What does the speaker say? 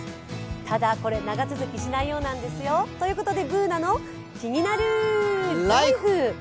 ただ、これ長続きしないようなんですよ。ということで「ＢｏｏｎａのキニナルＬＩＦＥ」。